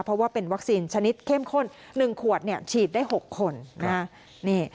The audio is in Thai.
เพราะว่าเป็นวัคซีนชนิดเข้มข้น๑ขวดฉีดได้๖คนนะฮะ